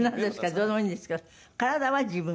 どうでもいいんですけど体は自分？